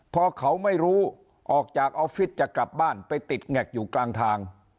พอเขาไม่รู้ออกจากออฟฟิศจะกลับบ้านไปติดแงกอยู่กลางทาง